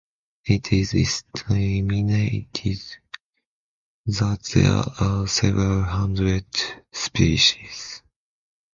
It is estimated that there are several hundred species.